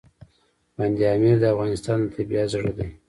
بند امیر د افغانستان د طبیعت زړه دی.